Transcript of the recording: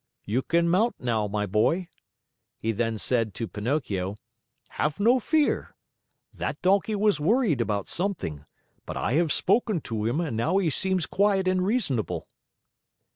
"You can mount now, my boy," he then said to Pinocchio. "Have no fear. That donkey was worried about something, but I have spoken to him and now he seems quiet and reasonable."